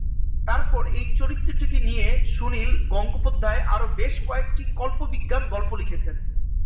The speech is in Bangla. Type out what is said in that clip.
তারপর এই চরিত্রটিকে নিয়ে সুনীল গঙ্গোপাধ্যায় আরও বেশ-কয়েকটি কল্পবিজ্ঞান গল্প লিখেছেন।